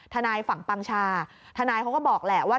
ทนายฝั่งปังชาทนายเขาก็บอกแหละว่า